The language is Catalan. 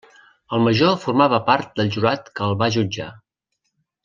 El major formava part del jurat que el va jutjar.